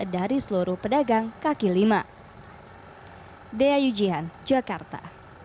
dari seluruh pedagang kaki lima